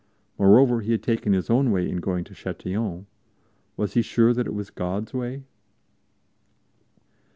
Moreover, he had taken his own way in going to Châtillon; was he sure that it was God's way?